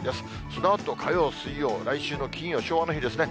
そのあと、火曜、水曜、来週の金曜、昭和の日ですね。